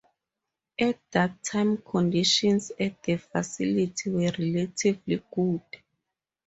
At that time conditions at the facility were relatively good.